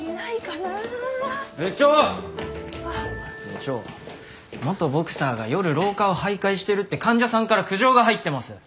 部長元ボクサーが夜廊下を徘徊してるって患者さんから苦情が入ってます。